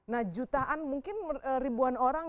nah jutaan mungkin ribuan orang